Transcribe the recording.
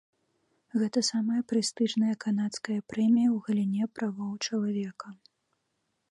Гэта самая прэстыжная канадская прэмія ў галіне правоў чалавека.